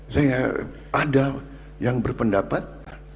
saya ada yang berpendapat